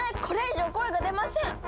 これ以上声が出ません！